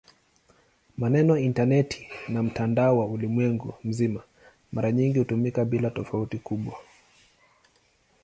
Maneno "intaneti" na "mtandao wa ulimwengu mzima" mara nyingi hutumika bila tofauti kubwa.